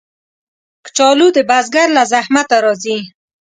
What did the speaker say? کچالو د بزګر له زحمته راځي